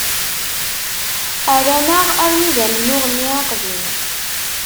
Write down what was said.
Rran-aɣ armi d amennuɣ-nni aqdim.